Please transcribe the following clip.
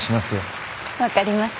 分かりました。